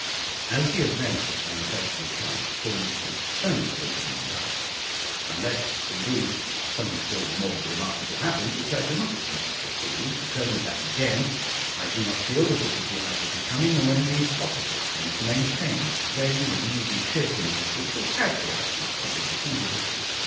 As the event which I am about to recount forms the turning point of my life unless, indeed, something still more remarkable happens, which I do not at present foresee, to turn me back again I do not feel that it would be either becoming, or indeed possible, for me to maintain that vein of easy cheerfulness which has characterised my composition hitherto.